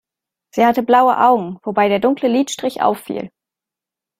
Sie hatte blaue Augen, wobei der dunkle Lidstrich auffiel.